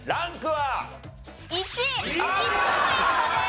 １。１ポイントです。